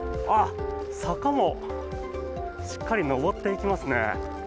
坂もしっかり上っていきますね。